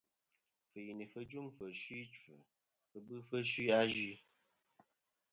Fɨ̀yìnì fɨ jûŋfɨ̀ fsɨ ɨchfɨ, fɨ bɨfɨ fsɨ azue.